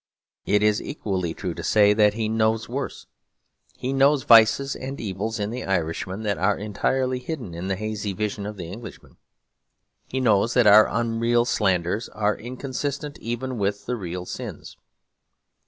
It is equally true to say that he knows worse. He knows vices and evils in the Irishman that are entirely hidden in the hazy vision of the Englishman. He knows that our unreal slanders are inconsistent even with the real sins.